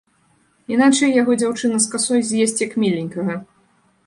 Іначай яго дзяўчына з касой з'есць як міленькага.